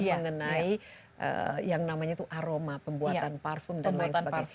mengenai yang namanya itu aroma pembuatan parfum dan lain sebagainya